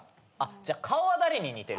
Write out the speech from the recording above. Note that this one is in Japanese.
じゃあ顔は誰に似てる？